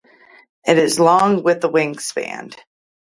It is long with a wingspan.